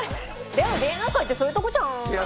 でも芸能界ってそういうとこじゃん。